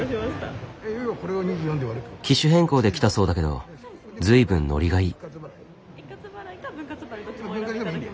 機種変更で来たそうだけど随分ノリがいい。